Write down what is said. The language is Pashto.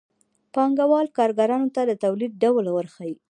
پانګوال کارګرانو ته د تولید ډول ورښيي